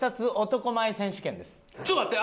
ちょっと待って。